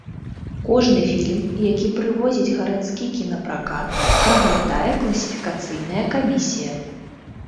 Кожны фільм, які прывозіць гарадскі кінапракат, праглядае класіфікацыйная камісія.